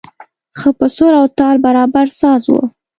ښه په سور او تال برابر ساز و.